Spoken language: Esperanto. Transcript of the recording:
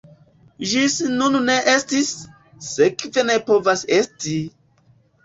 Ĝis nun ne estis, sekve ne povas esti!